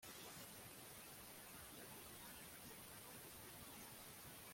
ubuvugizi kuri ayo mabwiriza mpuzamahanga kuri sida